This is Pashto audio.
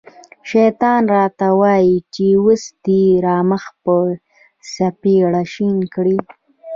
شیطان را ته وايي چې اوس دې دا مخ په څپېړو شین کړم.